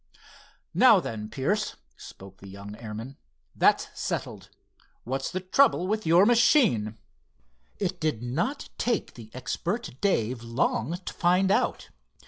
"Now then, Pierce," spoke the young airman, "that's settled. What's the trouble with your machine?" It did not take the expert Dave long to find out.